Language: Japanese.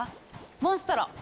モンストロ！